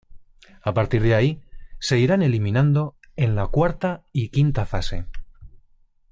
A partir de ahí, se irán eliminando en la cuarta y quinta fase.